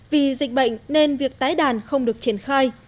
vì dịch bệnh nên việc tái đàn không được triển khai